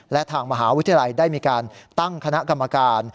และทางมหาวิทยาลัยได้มีการตั้งคณะกรรมการ